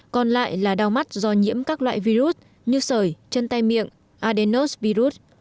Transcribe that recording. còn lại là đau mắt do nhiễm các loại virus như sởi chân tay miệng adenos virus